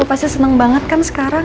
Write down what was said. lu pasti seneng banget kan sekarang